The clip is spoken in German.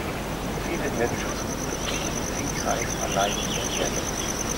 Viele Herdenschutzhunde verbringen viel Zeit allein mit der Herde.